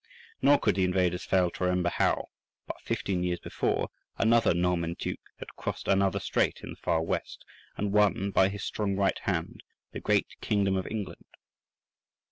Nor could the invaders fail to remember how, but fifteen years before, another Norman duke had crossed another strait in the far West, and won by his strong right hand the great kingdom of England.